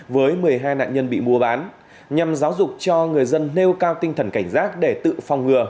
với một mươi hai nạn nhân bị mua bán nhằm giáo dục cho người dân nêu cao tinh thần cảnh giác để tự phòng ngừa